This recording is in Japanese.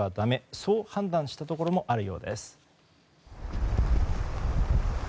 そう判断したところもあったようです。